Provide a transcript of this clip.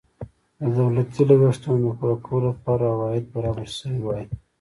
د دولتي لګښتونو د پوره کولو لپاره عواید برابر شوي وای.